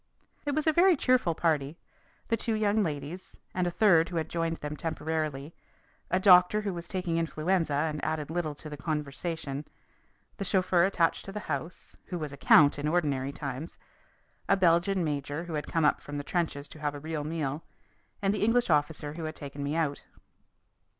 It was a very cheerful party the two young ladies, and a third who had joined them temporarily, a doctor who was taking influenza and added little to the conversation, the chauffeur attached to the house, who was a count in ordinary times, a Belgian major who had come up from the trenches to have a real meal, and the English officer who had taken me out.